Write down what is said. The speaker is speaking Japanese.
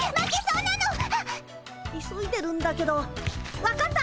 急いでるんだけど分かった！